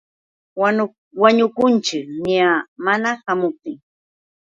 Wañukunćhi niyaa. Mana ćhaamuptin.